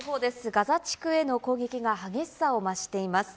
ガザ地区への攻撃が激しさを増しています。